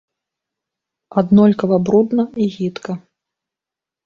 Аднолькава брудна і гідка.